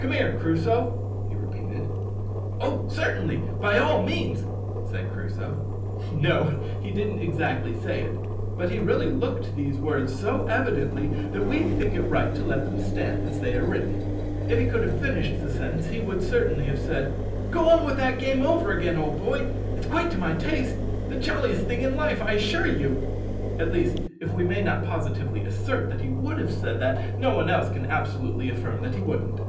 "Come here, Crusoe," he repeated. "Oh! certainly, by all means," said Crusoe no! he didn't exactly say it, but really he looked these words so evidently that we think it right to let them stand as they are written. If he could have finished the sentence, he would certainly have said, "Go on with that game over again, old boy; it's quite to my taste the jolliest thing in life, I assure you!" At least, if we may not positively assert that he would have said that, no one else can absolutely affirm that he wouldn't.